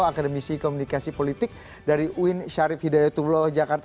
akademisi komunikasi politik dari uin syarif hidayatullah jakarta